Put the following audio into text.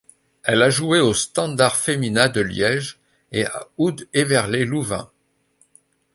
Elle a joué au Standard Fémina de Liège et à Oud-Heverlee Louvain.